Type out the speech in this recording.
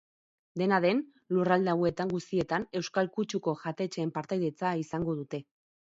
Dena den, lurralde hauetan guztietan euskal kutsuko jatetxeen partaidetza izango dute.